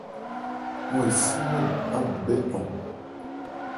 Ɔ́n efɔ́n adubhɛ́ ncɔn.